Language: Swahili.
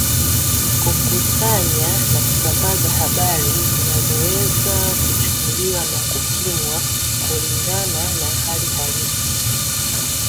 Kukusanya na kusambaza habari zinazoweza kuchunguliwa na kupimwa kulingana na hali halisi